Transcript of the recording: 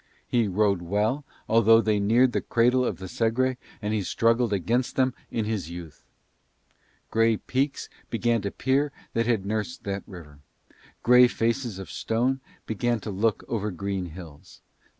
He rowed well although they neared the cradle of the Segre and he struggled against them in his youth. Grey peaks began to peer that had nursed that river. Grey faces of stone began to look over green hills.